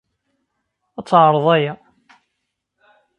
Ad teɛreḍ aya.